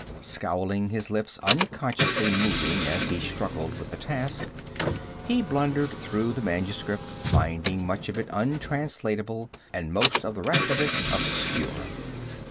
Scowling, his lips unconsciously moving as he struggled with the task, he blundered through the manuscript, finding much of it untranslatable and most of the rest of it obscure.